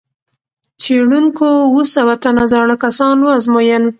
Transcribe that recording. څېړونکو اووه سوه تنه زاړه کسان وازمویل.